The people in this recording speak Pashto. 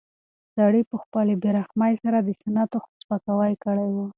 سړي په خپلې بې رحمۍ سره د سنتو سپکاوی کړی و.